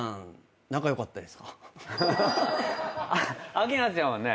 明菜ちゃんはね